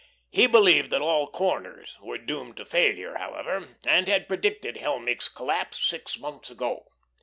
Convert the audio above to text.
He believed that all corners were doomed to failure, however, and had predicted Helmick's collapse six months ago.